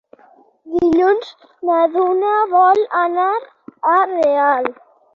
Dilluns na Duna vol anar a Real.